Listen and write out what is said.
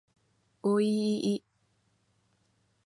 おいいい